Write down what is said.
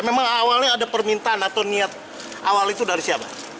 memang awalnya ada permintaan atau niat awal itu dari siapa